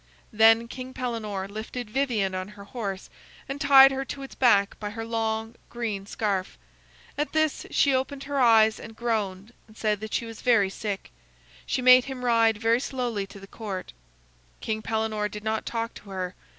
Then King Pellenore lifted Vivien on her horse, and tied her to its back by her long green scarf. At this she opened her eyes and groaned, and said that she was very sick. She made him ride very slowly to the court. King Pellenore did not talk to her.